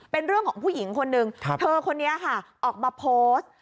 เป็นเรื่องของผู้หญิงคนนึงเธอคนนี้ค่ะออกมาโพสต์